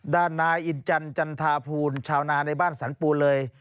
ด้านน้าอิชันจันทาภูนย์ชาวนาในบ้านศรรปูเรย่